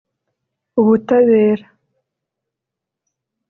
Ubutabera